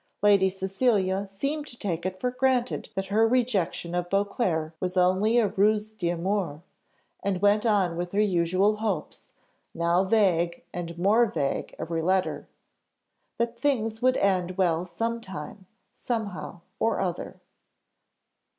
Lady Cecilia seemed to take it for granted that her rejection of Beauclerc was only a ruse d'amour, and went on with her usual hopes, now vague and more vague every letter that things would end well sometime, somehow or other.